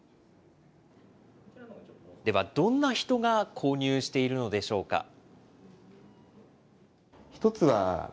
では、どんな人が購入しているのでしょうか。